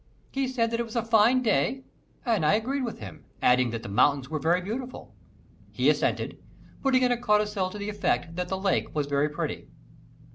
He said that it was a fine day and I agreed with him, adding that the mountains were very beautiful. He assented, putting in a codicil to the effect that the lake was very pretty.